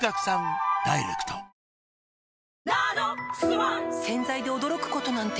まずは洗剤で驚くことなんて